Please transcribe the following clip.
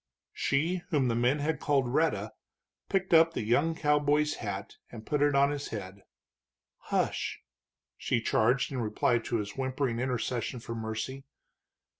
She whom the man had called Rhetta picked up the young cowboy's hat and put it on his head. "Hush!" she charged, in reply to his whimpering intercession for mercy.